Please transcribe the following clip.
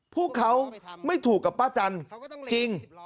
พวกเขาไม่ถูกกับป้าจันทร์จริง